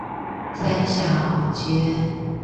三峽老街